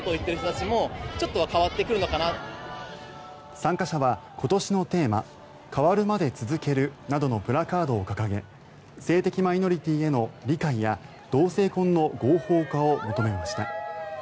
参加者は今年のテーマ「変わるまで、続ける」などのプラカードを掲げ性的マイノリティーへの理解や疲れた！